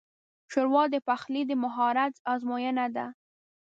ښوروا د پخلي د مهارت ازموینه ده.